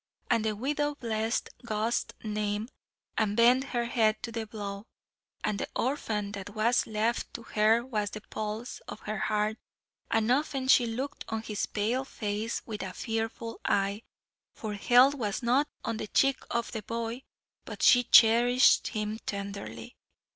And the widow blessed God's name and bent her head to the blow and the orphan that was left to her was the pulse of her heart, and often she looked on his pale face with a fearful eye, for health was not on the cheek of the boy but she cherished him tenderly.